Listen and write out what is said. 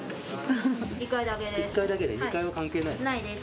１階だけね２階は関係ないの？